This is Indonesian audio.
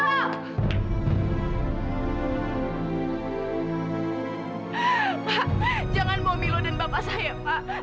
pak jangan bawa milo dan bapak saya pak